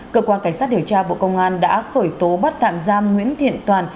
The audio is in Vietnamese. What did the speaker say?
cơ quan cảnh sát điều tra bộ công an đã khởi tố bắt tạm giam nguyễn thiện toàn